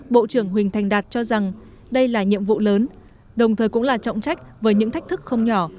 bộ trưởng huỳnh thành đạt cho rằng đây là nhiệm vụ lớn đồng thời cũng là trọng trách với những thách thức không nhỏ